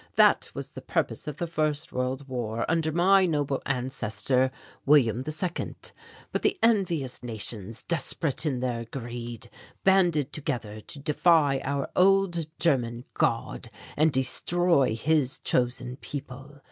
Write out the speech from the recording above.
That was the purpose of the First World War under my noble ancestor, William II. "But the envious nations, desperate in their greed, banded together to defy our old German God, and destroy His chosen people.